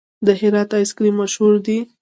د هرات آیس کریم مشهور دی؟